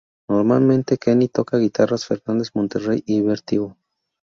Normalmente, Kenny toca guitarras Fernandes, Monterey y Vertigo.